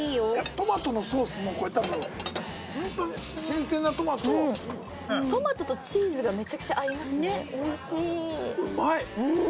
トマトのソースもこれ多分ホントに新鮮なトマトトマトとチーズがめちゃくちゃ合いますねうまい！